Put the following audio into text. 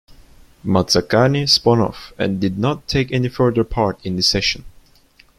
Mazzacane spun off and did not take any further part in the session.